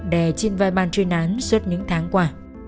đè trên vai ban chuyên án suốt những tháng qua